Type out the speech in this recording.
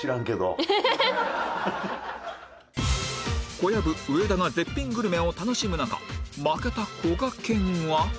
小籔上田が絶品グルメを楽しむ中負けたこがけんは